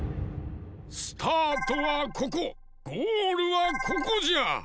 スタートはここゴールはここじゃ！